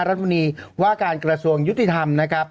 รัฐมนตรีว่าการกระทรวงยุติธรรมนะครับ